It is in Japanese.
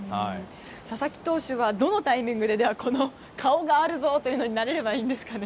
佐々木投手はどのタイミングで顔があるぞというのに慣れればいいんですかね。